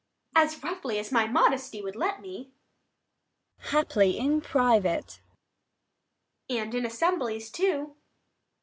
_ As roughly as my modesty would let me. Abb. Haply, in private. Adr. And in assemblies too.